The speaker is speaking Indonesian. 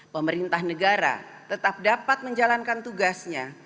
pemerintah negara tetap dapat menjalankan tugasnya